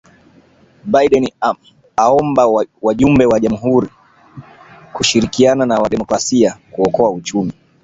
Biden awaomba wajumbe wa wanajamuhuri kushirikiana na Wademokrasia kuokoa uchumi